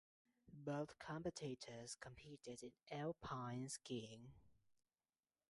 Both competitors competed in alpine skiing.